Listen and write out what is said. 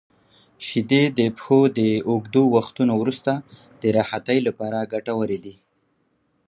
• شیدې د پښو د اوږدو وختونو وروسته د راحتۍ لپاره ګټورې دي.